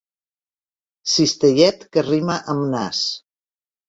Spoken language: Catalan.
Cistellet que rima amb nas.